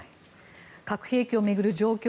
核兵器を巡る状況